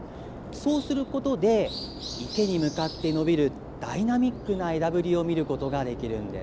そうすることで、池に向かって伸びるダイナミックな枝ぶりを見ることができるんです。